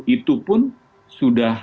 itu pun sudah